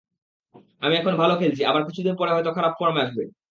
আমি এখন ভালো খেলছি, আবার কিছুদিন পরে হয়তো খারাপ ফর্ম আসবে।